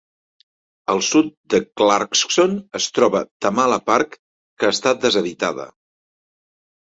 Al sud de Clarkson es troba Tamala Park, que està deshabitada.